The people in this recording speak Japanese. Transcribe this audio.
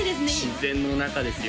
自然の中ですよ